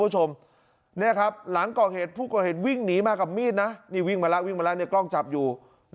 หลังกล่องเหตุผู้กล่องเหตุวิ่งหนีมากับมีดนะนี่วิ่งมาแล้วกล้องจับอยู่